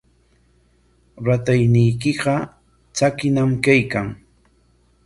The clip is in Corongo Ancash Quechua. Ratayniykiqa tsakiñam kaykan.